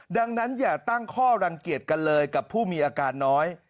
ดังนั้นอย่าตั้งข้อรังเกียจกันเลยกับผู้มีอาการน้อย